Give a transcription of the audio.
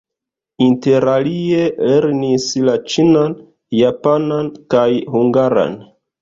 Interalie lernis la ĉinan, japanan kaj hungaran.